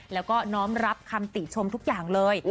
แล้วก็น้อมรับคำติชมทุกอย่างเลย